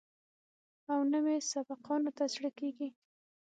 او نه مې سبقانو ته زړه کېده.